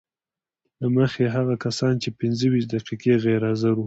له مخې یې هغه کسان چې پنځه ویشت دقیقې غیر حاضر وو